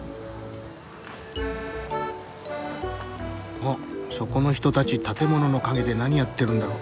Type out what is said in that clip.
あっそこの人たち建物の陰で何やってるんだろう。